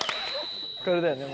これだよね